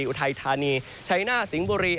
อุทัยธานีไชน่รสิงห์บรี